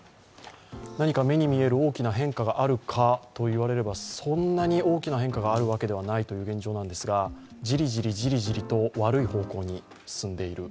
何か目に見える大きな変化があるかといわれればそんなに大きな変化があるわけではないという現状なんですが、じりじり、じりじりと悪い方向に進んでいる。